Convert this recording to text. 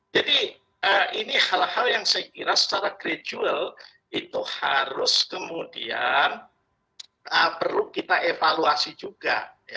jadi ini hal hal yang saya kira secara gradual itu harus kemudian perlu kita evaluasi juga